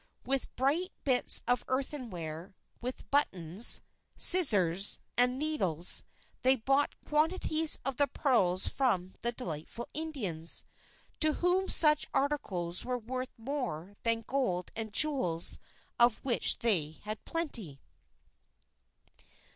With bright bits of earthenware, with buttons, scissors, and needles, they bought quantities of the pearls from the delighted Indians, to whom such articles were worth more than gold and jewels of which they had plenty.